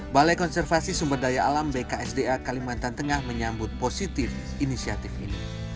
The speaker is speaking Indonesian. balai konservasi sumber daya alam bksda kalimantan tengah menyambut positif inisiatif ini